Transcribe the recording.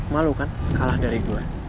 malu kan kalah dari dua